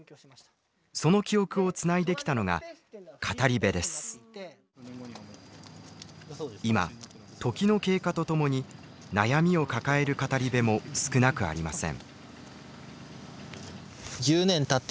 その記憶をつないできたのが今時の経過とともに悩みを抱える語り部も少なくありません。